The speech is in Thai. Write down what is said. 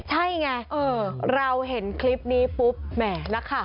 ใช่ไงเราเห็นคลิปนี้ปุ๊บแหมนักข่าว